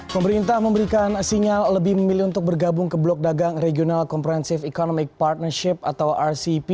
pemerintah memberikan sinyal lebih memilih untuk bergabung ke blok dagang regional comprehensive economic partnership atau rcep